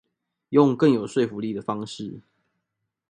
用更有說服力的方式